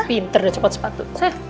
pinter udah cepat sepatu